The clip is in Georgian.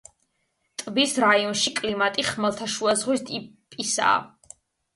ტბის რაიონში კლიმატი ხმელთაშუაზღვის ტიპისაა.